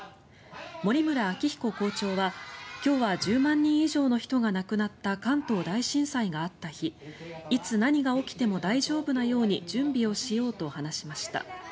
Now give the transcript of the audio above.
森村聡彦校長は、今日は１０万人以上の人が亡くなった関東大震災があった日いつ何が起きても大丈夫なように準備をしようと話しました。